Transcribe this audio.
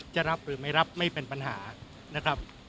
จะรับหรือไม่รับไม่เป็นปัญหานะครับ